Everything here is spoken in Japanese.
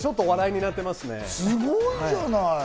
すごいじゃない。